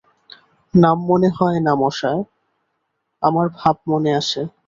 নাম মনে হয় না মশায়, আমার ভাব মনে আসে।